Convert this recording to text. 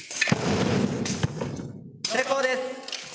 成功です。